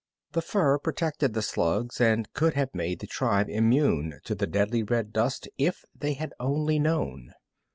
The fur protected the slugs, and could have made the tribe immune to the deadly red dust if they had only known.